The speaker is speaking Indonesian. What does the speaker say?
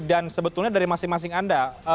dan sebetulnya dari masing masing anda